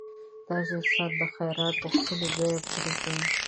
داسې انسان د خیرات غوښتلو بیه پرې کوي.